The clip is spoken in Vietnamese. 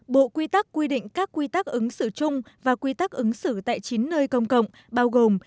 bộ quy tắc quy định các quy tắc ứng xử chung và quy tắc ứng xử tại chín nơi công cộng bao gồm